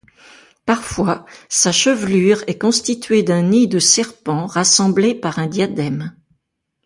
Parfois sa chevelure est constituée d'un nid de serpents rassemblés par un diadème.